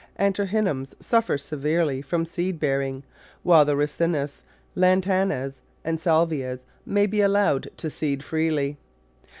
Antirrhinums suffer severely from seed bear ing, while the Ricinus, Lantanas and Salvias may be allowed to seed freely.